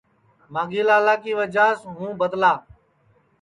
مانگھی لالا کی وجہ سے ہوں بدلا